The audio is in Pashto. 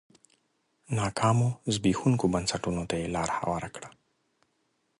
ناکامو زبېښونکو بنسټونو ته یې لار هواره کړه.